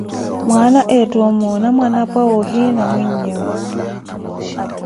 Mwaana ettha omoona mwanapwa, woohina mweenyewe.